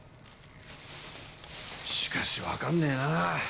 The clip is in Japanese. しかしわかんねえな。